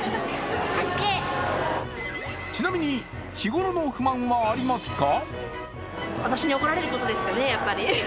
ちなみに日頃の不満はありますか？